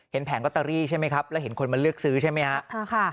เห็นแผงก็ตะรี่ใช่ไหมครับแล้วเห็นคนมาเลือกซื้อใช่ไหมครับ